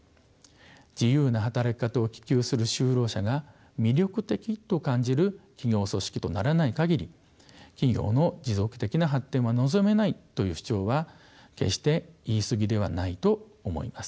自由な働き方を希求する就労者が魅力的と感じる企業組織とならない限り企業の持続的な発展は望めないという主張は決して言い過ぎではないと思います。